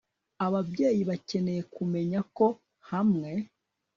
Ababyeyi bakeneye kumenya ko hamwe